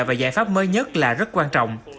và giải pháp mới nhất là rất quan trọng